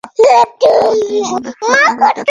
আমাদের মনেহয় আগে দেখা হয়নি।